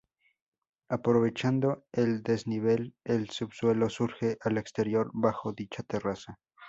Aprovechando el desnivel, el subsuelo surge al exterior bajo dicha terraza.